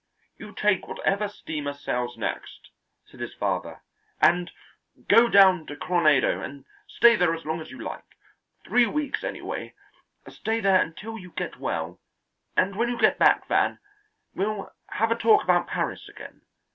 "You take whatever steamer sails next," said his father, "and! go down to Coronado and stay there as long as you like, three weeks anyway; stay there until you get well, and when you get back, Van, we'll have a talk about Paris again.